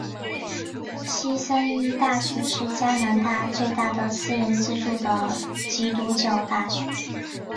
西三一大学是加拿大最大的私人资助的基督教大学。